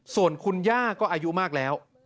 ส่วนคุณย่าก็อายุมากแล้ว